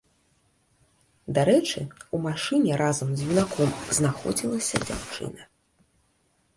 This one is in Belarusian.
Дарэчы, у машыне разам з юнаком знаходзілася дзяўчына.